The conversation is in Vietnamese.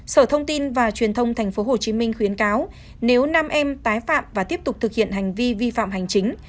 sở thông tin và truyền thông tp hcm khuyến cáo nếu nam em tái phạm và tiếp tục thực hiện hành vi vi phạm hành chính